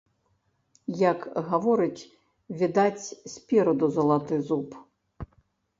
Як гаворыць, відаць спераду залаты зуб.